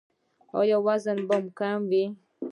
ایا وزن به کموئ؟